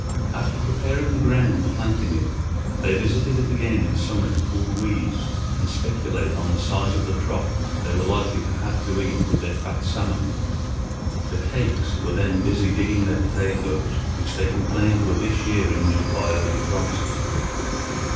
After preparing the ground, and planting it, they visited it again in summer to pull the weeds and speculate on the size of the crop they were likely to have to eat with their fat salmon. The Kakes were then busy digging their potatoes, which they complained were this year injured by early frosts.